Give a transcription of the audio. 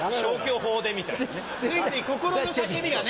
ついつい心の叫びがね。